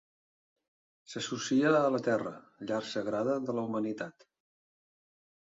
S'associa a la Terra, llar sagrada de la humanitat.